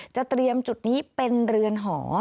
เตรียมจุดนี้เป็นเรือนหอ